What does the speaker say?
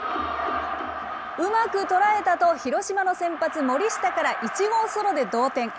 うまく捉えたと、広島の先発、森下から１号ソロで同点。